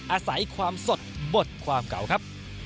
อาศัยความสดบทความเก่าครับ